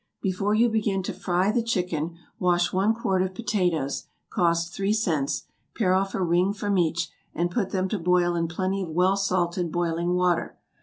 Before you begin to fry the chicken, wash one quart of potatoes, (cost three cents,) pare off a ring from each, and put them to boil in plenty of well salted boiling water.